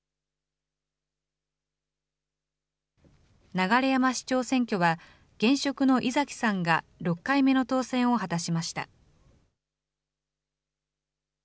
流山市長選挙は、現職の井崎さんが６回目の当選を果たしました。